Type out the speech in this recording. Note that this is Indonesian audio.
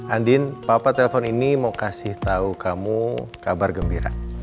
andin papa telpon ini mau kasih tahu kamu kabar gembira